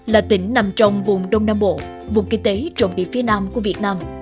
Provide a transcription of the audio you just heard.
là tỉnh nằm trong vùng đông nam bộ vùng kinh tế trọng điểm phía nam của việt nam